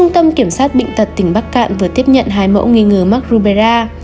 tỉnh bắc cạn vừa tiếp nhận hai mẫu nghi ngờ mắc rubella